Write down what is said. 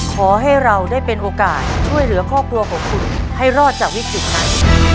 ขอให้เราได้เป็นโอกาสช่วยเหลือครอบครัวของคุณให้รอดจากวิกฤตนั้น